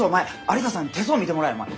有田さんに手相見てもらえお前。